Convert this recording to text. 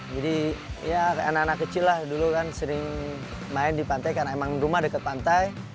ya anak anak kecil lah dulu kan sering main di pantai karena emang rumah dekat pantai